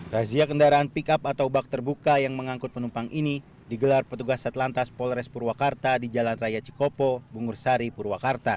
razia kendaraan pickup atau bak terbuka yang mengangkut penumpang ini digelar petugas satlantas polres purwakarta di jalan raya cikopo bungur sari purwakarta